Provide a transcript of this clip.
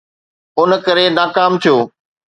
ان ڪري ناڪام ٿيو.